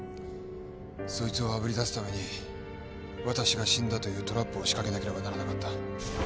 そいつをあぶり出すためにわたしが死んだというトラップを仕掛けなければならなかった。